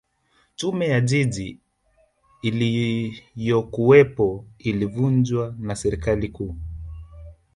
tume ya jiji iliyokuwepo ilivunjwa na serikali kuu